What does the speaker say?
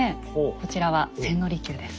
こちらは千利休です。